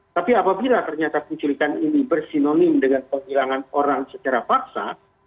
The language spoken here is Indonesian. tapi apabila ternyata penculikan ini bersinomim dengan penghilangan orang secara paksa